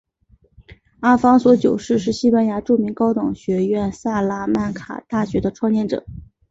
阿方索九世是西班牙著名高等学府萨拉曼卡大学的创建者。